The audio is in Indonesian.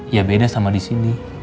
ya beda sama disini